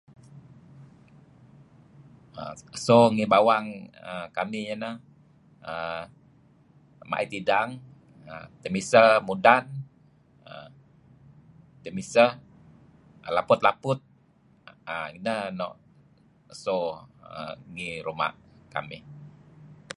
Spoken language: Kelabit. So ngi bawang kamih iyeh ineh err ma'it idang, temiseh mudan, temiseh laput-laput err ineh nuk so ngi ruma' kamih.